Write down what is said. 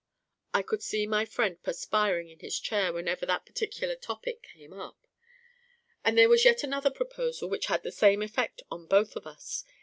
I could see my friend perspiring in his chair whenever that particular topic came up. And there was yet another proposal which had the same effect on both of us.